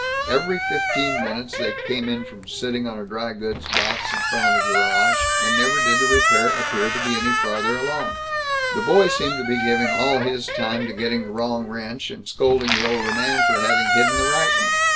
Every fifteen minutes they came in from sitting on a dry goods box in front of the garage, and never did the repair appear to be any farther along. The boy seemed to be giving all his time to getting the wrong wrench, and scolding the older man for having hidden the right one.